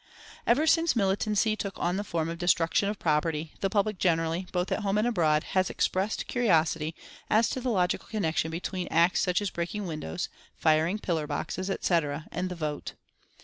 Ever since militancy took on the form of destruction of property the public generally, both at home and abroad, has expressed curiosity as to the logical connection between acts such as breaking windows, firing pillar boxes, et cetera, and the vote.